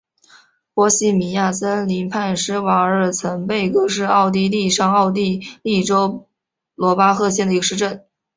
波希米亚森林畔施瓦尔岑贝格是奥地利上奥地利州罗巴赫县的一个市镇。